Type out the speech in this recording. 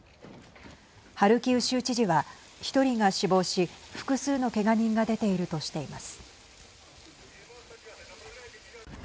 ハルキウ州知事は１人が死亡し複数のけが人が出ているとしています。